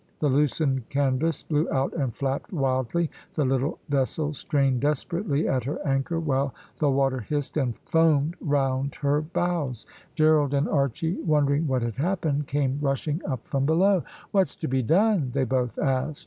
The loosened canvas blew out and flapped wildly the little vessel strained desperately at her anchor, while the water hissed and foamed round her bows. Gerald and Archy wondering what had happened, came rushing up from below. "What's to be done?" they both asked.